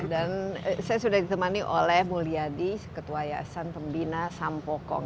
dan saya sudah ditemani oleh mulyadi ketua yayasan pembina sampokong